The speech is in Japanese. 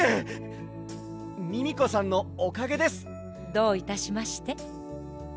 どういたしまして。